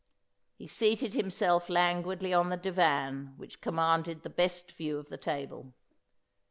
He seated himself languidly on the divan which commanded the best view of the table.